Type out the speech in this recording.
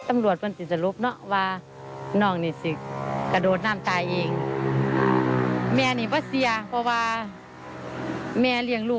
มีปัญหาจากเจียร์